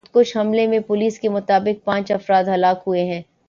خودکش حملے میں پولیس کے مطابق پانچ افراد ہلاک ہوئے ہیں